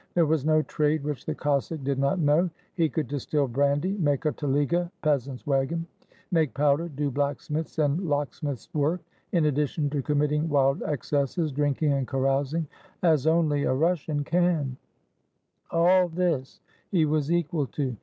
There was no trade which the Cossack did not know: he could distill brandy, make a telega [peasant's wagon], make powder, do blacksmith's and locksmith's work, in addition to committing wild ex cesses, drinking and carousing as only a Russian can, — all this he was equal to.